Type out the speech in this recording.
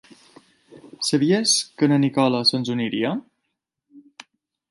Sabies que la Nikola se'ns uniria?